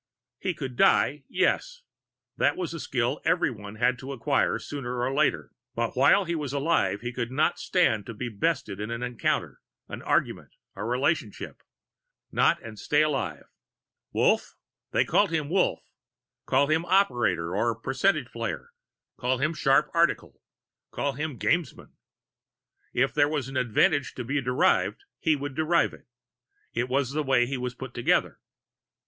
He could die, yes that was a skill everyone had to acquire, sooner or later. But while he was alive, he could not stand to be bested in an encounter, an argument, a relationship not and stay alive. Wolf? Call him Wolf. Call him Operator, or Percentage Player; call him Sharp Article; call him Gamesman. If there was an advantage to be derived, he would derive it. It was the way he was put together.